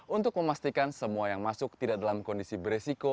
untuk memastikan semua yang masuk tidak dalam kondisi beresiko